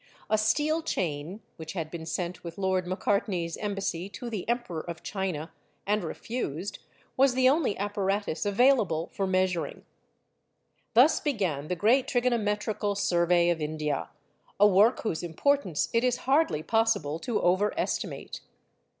A steel chain, which had been sent with Lord Macartney's embassy to the Emperor of China and refused, was the only apparatus available for measuring. Thus began the great Trigonometrical Survey of India, a work whose importance it is hardly possible to over estimate.